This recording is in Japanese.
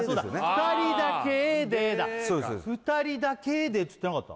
「二人だけで」だ「二人だけで」っつってなかった？